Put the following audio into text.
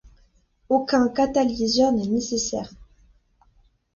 Aucun catalyseur n'est nécessaire.